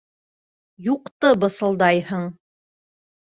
Юҡты бысылдайһың.